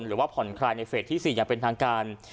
หรือว่าผ่อนคลายในเฟสที่๔อย่างเป็นทางการ